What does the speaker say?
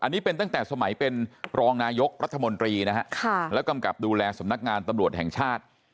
อันนี้เป็นตั้งแต่สมัยเป็นรองนายกรัฐมนตรีนะฮะแล้วกำกับดูแลสำนักงานตำรวจแห่งชาติ